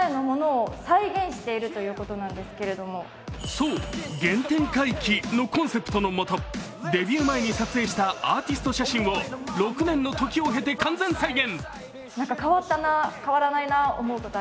そう原点回帰のコンセプトのもとデビュー前に撮影したアーティスト写真を６年の時を経て完全再現。